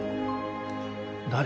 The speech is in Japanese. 誰？